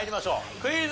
クイズ。